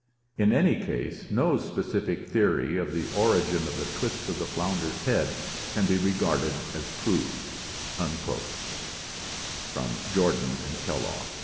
In any case, no specific theory of the origin of the twist of the flounder's head can be regarded as proved " (Jordan and Kellogg).